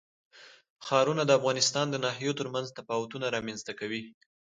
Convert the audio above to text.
ښارونه د افغانستان د ناحیو ترمنځ تفاوتونه رامنځ ته کوي.